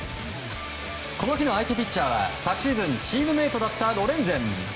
この日の相手ピッチャーは昨シーズン、チームメートだったロレンゼン。